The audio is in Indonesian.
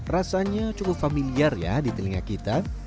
rasanya cukup familiar ya di telinga kita